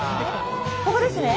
ここですね。